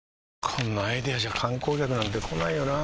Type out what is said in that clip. こんなアイデアじゃ観光客なんて来ないよなあ